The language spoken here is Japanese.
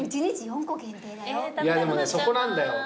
でもねそこなんだよ。